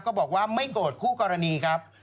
ก็บอกว่าไม่โกรธคู่กรณีครับ